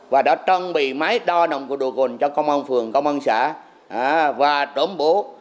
và đã trân bị máy đo nồng độ cồn cho công an phường công an xã và trốn bố